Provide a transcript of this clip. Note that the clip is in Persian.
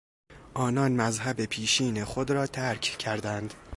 آنان مذهب پیشین خود را ترک کردند.